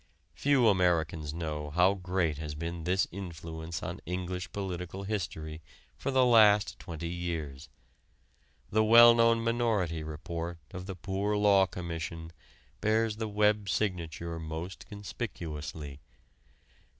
Few Americans know how great has been this influence on English political history for the last twenty years. The well known Minority Report of the Poor Law Commission bears the Webb signature most conspicuously.